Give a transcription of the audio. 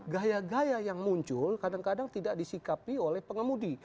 gaya gaya yang muncul kadang kadang tidak disikapi oleh pengemudi